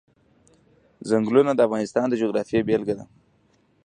ځنګلونه د افغانستان د جغرافیې بېلګه ده.